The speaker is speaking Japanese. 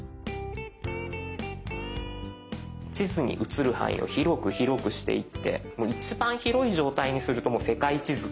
地図に映る範囲を広く広くしていってもう一番広い状態にするともう世界地図。